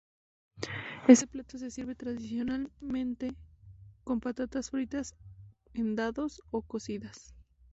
Este plato se sirve tradicionalmente con patatas fritas en dados o cocidas.